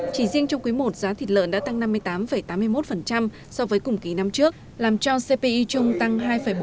chỉ riêng trong quý i giá thịt lợn đã tăng năm mươi tám tám mươi một so với cùng kỳ năm trước làm cho cpi chung tăng hai bốn